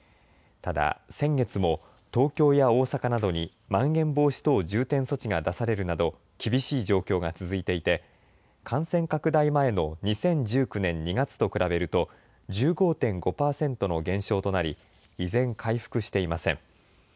ただ先月も、東京や大阪などにまん延防止等重点措置が出されるなど、厳しい状況が続いていて、感染拡大前の２０１９年２月と比べると、１５．５％の減少となり、依然、回復していません。